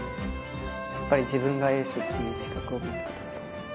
やっぱり自分がエースっていう自覚を持つことだと思います。